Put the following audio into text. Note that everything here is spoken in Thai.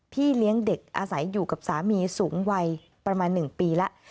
พี่เลี้ยงเด็กอาศัยอยู่กับสามีสูงวัยประมาณ๑ปีแล้ว